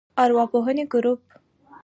ارواپوهنې ګروپ